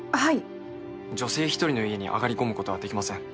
女性一人の家に上がり込むことはできません。